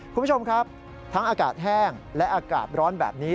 คุณผู้ชมครับทั้งอากาศแห้งและอากาศร้อนแบบนี้